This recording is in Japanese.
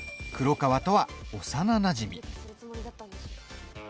黒川とは幼なじみ。